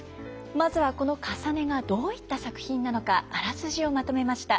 まずはこの「かさね」がどういった作品なのかあらすじをまとめました。